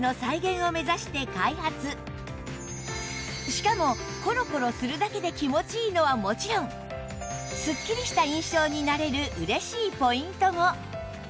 しかもコロコロするだけで気持ちいいのはもちろんスッキリした印象になれる嬉しいポイントも